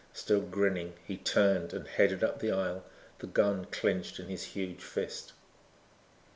Still grinning he turned and headed up the aisle, the gun clenched in his huge fist.